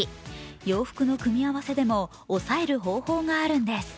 洋服の組み合わせでも抑える方法があるんです。